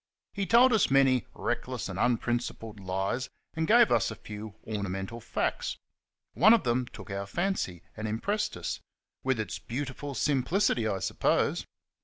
He told us many reckless and unprincipled lies, and gave us a few ornamental facts. One of them took our fancy, and impressed us with its beautiful simplicity, I suppose.